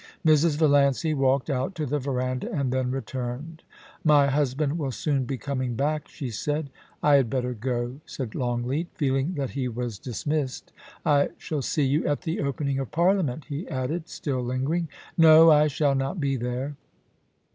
Mrs. Valiancy walked out to the verandah, and then re turned. * My husband will soon be coming back,' she said. * I had better go,' said Longleat, feeling that he was dis missed. * I shall see you at the Opening of Parliament,' he added, still lingering. * No ; I shall not be there.'